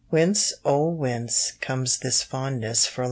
Whence, oh whence, comes this fondness for lawn?